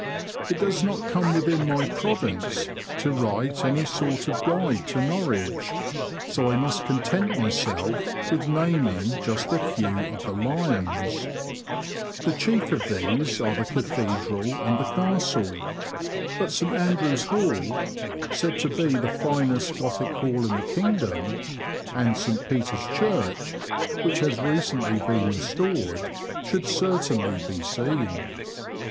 It does not come within my province to write any sort of guide to Norwich, so I must content myself with naming just a few of the lions." The chief of these are the Cathedral and the Castle, but St Andrew's Hall (said to be the finest Gothic hall in the kingdom) and Digitized by VjOOQIC 10 BBOADS AND BIYEBS OF NOBFOLE AND SUFFOLK. St Peter's Church (which has recently been restored) should certainly be seen.